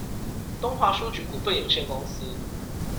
東華書局股份有限公司